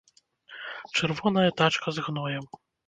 Чырвоная тачка з гноем.